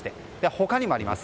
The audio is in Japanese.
他にもあります。